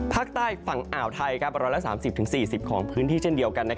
ภาคใต้ฝั่งอ่าวไทย๑๓๐๔๐ของพื้นที่เช่นเดียวกัน